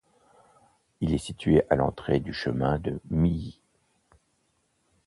Il est situé à l'entrée du chemin de Milly.